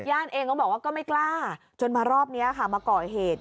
ญาติเองเขาบอกว่าก็ไม่กล้าจนมารอบนี้ค่ะมาเกาะเหตุ